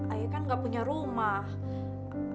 ayah kan gak punya rumah